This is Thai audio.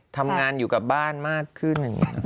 ทำงานอยู่กับบ้านมากขึ้น